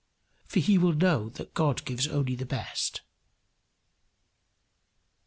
For he will know that God gives only the best.